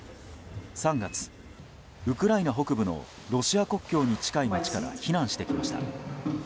３月、ウクライナ北部のロシア国境に近い町から避難してきました。